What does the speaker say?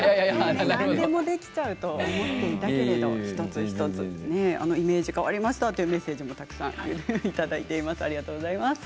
何でもできちゃうと思っていたけれど一つ一つイメージが変わりましたというメッセージもたくさんいただいています。